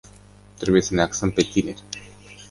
Trebuie să ne axăm pe tineri.